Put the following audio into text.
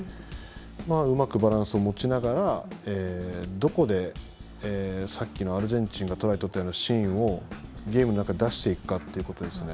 うまくバランスを持ちながらどこでさっきのアルゼンチンがトライを取ったようなシーンをゲームで出していくかというところですね。